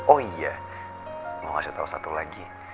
oh iya mau ngasih tau satu lagi